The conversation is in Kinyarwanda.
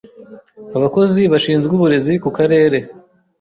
abakozi bashinzwe uburezi ku Karere